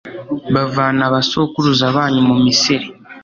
bavana abasokuruza banyu mu misiri